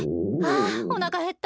あおなかへった。